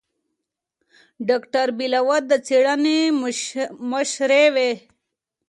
ډاکتره بېلوت د څېړنې مشرې وه.